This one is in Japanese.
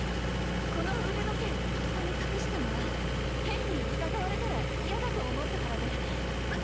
この腕時計をとっさに隠したのは変に疑われたら嫌だと思ったからでわ